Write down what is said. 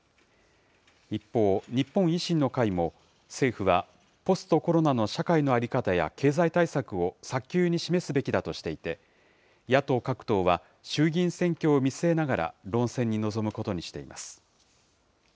一方、日本維新の会も、政府はポストコロナの社会の在り方や経済対策を早急に示すべきだとしていて、野党各党は、衆議院選挙を見据えながら論戦に臨むことにしています。